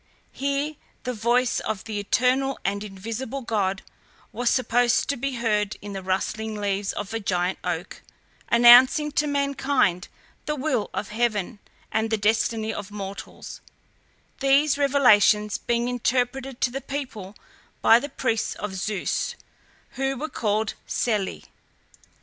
Here the voice of the eternal and invisible god was supposed to be heard in the rustling leaves of a giant oak, announcing to mankind the will of heaven and the destiny of mortals; these revelations being interpreted to the people by the priests of Zeus, who were called Selli.